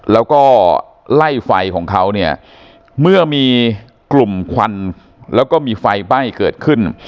แล้วก็ไล่ไฟของเขาเนี่ยเมื่อมีกลุ่มควันแล้วก็มีไฟไหม้เกิดขึ้น